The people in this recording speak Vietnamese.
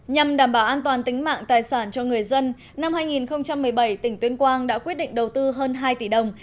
nhằm đảm bảo an toàn tính mạng tài sản cho người dân năm hai nghìn một mươi bảy tỉnh tuyên quang đã quyết định đầu tư hơn hai tỷ đồng